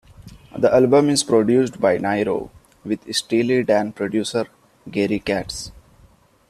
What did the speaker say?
The album is produced by Nyro with Steely Dan producer Gary Katz.